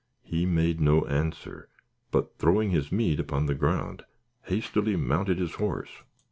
He made no answer, but throwing his meat upon the ground, hastily mounted his horse.